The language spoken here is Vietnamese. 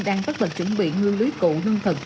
đang bất lực chuẩn bị ngư lưới cụ nương thực